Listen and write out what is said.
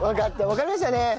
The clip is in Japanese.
わかりましたよね。